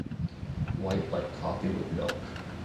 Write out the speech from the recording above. White like coffee with milk!